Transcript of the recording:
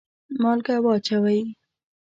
مالګه واچوئ